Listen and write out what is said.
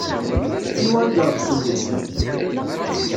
Anwa i irexsen deg-sen?